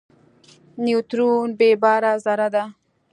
نیوترون بېباره ذره ده.